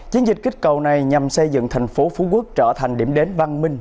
chiến dịch kích cầu này nhằm xây dựng tp hcm trở thành điểm đến văn minh